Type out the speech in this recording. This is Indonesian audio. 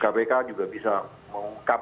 kpk juga bisa mengungkap